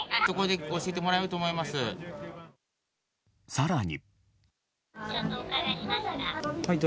更に。